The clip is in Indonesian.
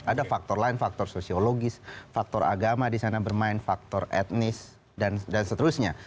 ada faktor lain faktor sosiologis faktor agama di sana bermain faktor etnis dan seterusnya